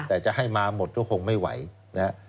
แต่จะให้มาหมดก็คงไม่ไหวนะฮะ